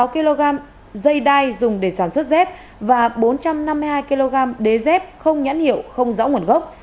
sáu kg dây đai dùng để sản xuất dép và bốn trăm năm mươi hai kg đế dép không nhãn hiệu không rõ nguồn gốc